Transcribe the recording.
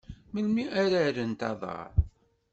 Melmi ara rrent aḍar?